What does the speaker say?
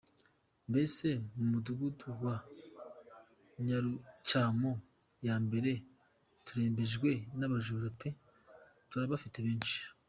Mbese mu Mudugudu wa Nyarucyamo ya Mbere turembejwe n’abajura pe! Turabafite benshi.